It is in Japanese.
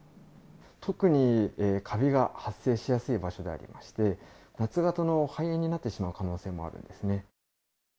特にかびが発生しやすい場所でありまして、夏型の肺炎になってしまう可能性もあるんですね。